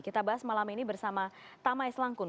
kita bahas malam ini bersama tamai selangkun